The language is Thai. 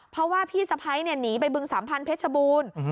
เพราะว่าพี่สะพ้ายหนีไปบึงสัมพันธ์เพชรบูรณ์